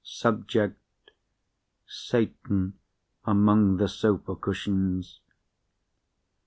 Subject: Satan among the Sofa Cushions.